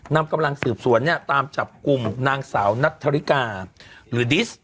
นำกำลังสืบสวนเนี่ยตามจับกลุ่มนางสาวนัทธริกาหรือดิส